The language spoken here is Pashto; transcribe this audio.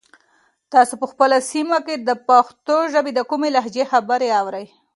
تاسو په خپله سیمه کې د پښتو ژبې د کومې لهجې خبرې اورئ؟